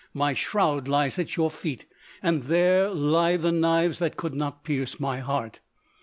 My shroud lies at your feet. And there lie the knives that could not pierce my heart!